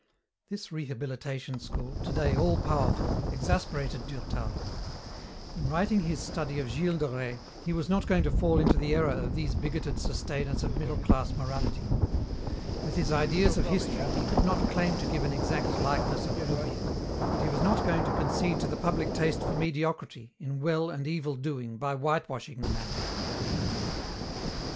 This rehabilitation school, today all powerful, exasperated Durtal. In writing his study of Gilles de Rais he was not going to fall into the error of these bigoted sustainers of middle class morality. With his ideas of history he could not claim to give an exact likeness of Bluebeard, but he was not going to concede to the public taste for mediocrity in well and evil doing by whitewashing the man.